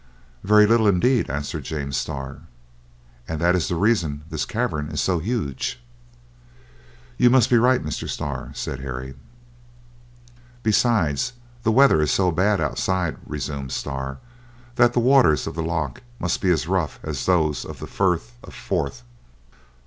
"Very little indeed," answered James Starr, "and that is the reason this cavern is so huge." "You must be right, Mr. Starr," said Harry. "Besides, the weather is so bad outside," resumed Starr, "that the waters of the loch must be as rough as those of the Firth of Forth."